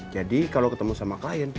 jadi kalau ketemu sama klien